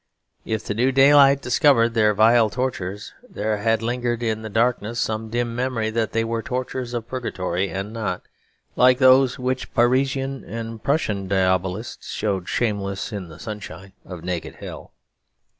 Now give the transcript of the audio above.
If the new daylight discovered their vile tortures, there had lingered in the darkness some dim memory that they were tortures of Purgatory and not, like those which Parisian and Prussian diabolists showed shameless in the sunshine, of naked hell.